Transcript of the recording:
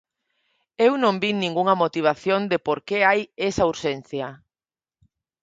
Eu non vin ningunha motivación de por que hai esa urxencia.